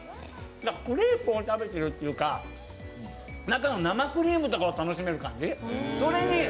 クレープを食べてるっていうか中の生クリームを楽しめる感じ。